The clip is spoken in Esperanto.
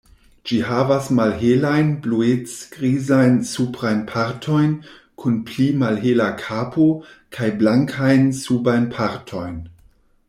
Ĝi havas malhelajn, bluec-grizajn suprajn partojn kun pli malhela kapo, kaj blankajn subajn partojn.